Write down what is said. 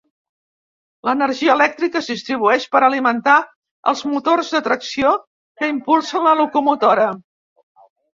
L'energia elèctrica es distribueix per alimentar els motors de tracció que impulsen la locomotora.